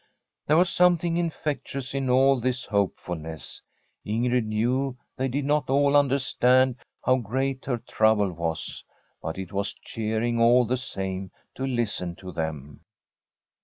There was something infectious in all this hopefulness. Ingrid knew they did not at all un derstand how great her trouble was, but it was cheering all the same to listen to them.